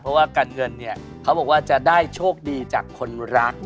เพราะว่าการเงินเนี่ยเขาบอกว่าจะได้โชคดีจากคนรัก